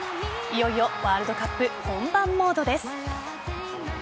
いよいよワールドカップ本番モードです。